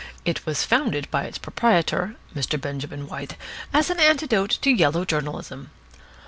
It was founded by its proprietor, Mr. Benjamin White, as an antidote to yellow journalism.